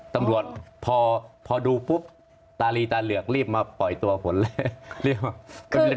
ตำรวจพอดูปุ๊บตาลีตาเหลือกรีบมาปล่อยตัวผลแรก